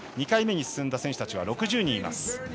２回目に進んだ選手たちは６０人います。